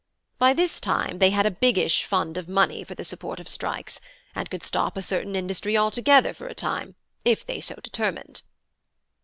By this time they had a biggish fund of money for the support of strikes, and could stop a certain industry altogether for a time if they so determined."